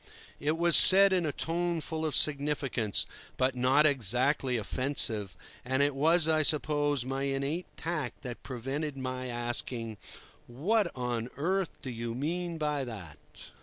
It was said in a tone full of significance, but not exactly offensive, and it was, I suppose, my innate tact that prevented my asking, "What on earth do you mean by that?"